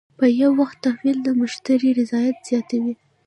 په وخت تحویل د مشتری رضایت زیاتوي.